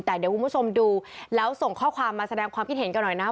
แต่เดี๋ยวคุณผู้ชมดูแล้วส่งข้อความมาแสดงความคิดเห็นกันหน่อยนะ